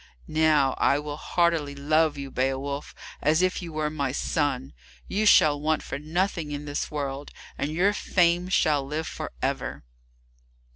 Now I will heartily love you, Beowulf, as if you were my son. You shall want for nothing in this world, and your fame shall live forever."